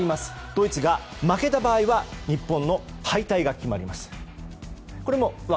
ドイツが負けた場合は日本の敗退が決まります。